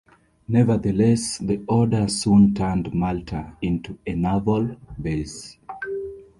Nevertheless, the Order soon turned Malta into a naval base.